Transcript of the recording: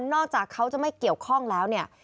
จากเขาจะไม่เกี่ยวข้องแล้วเนี่ย